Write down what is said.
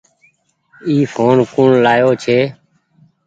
اي ڦون ڪوڻ لآيو ڇي۔